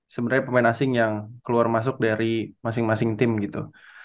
sebenarnya pemain asing yang keluar masuk dari masing masing tim gitu